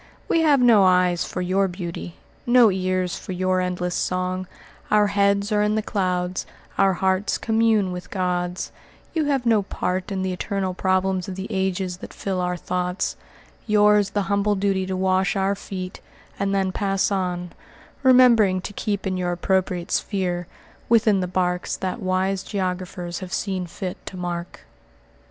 We have no eyes for your beauty; no ears for your endless song; our heads are in the clouds, our hearts commune with gods; you have no part in the eternal problems of the ages that fill our thoughts, yours the humble duty to wash our feet, and then pass on, remembering to keep in your appropriate sphere, within the barks that wise geographers have seen fit to mark."